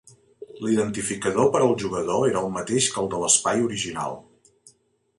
L'identificador per al jugador era el mateix que el de l'espai original.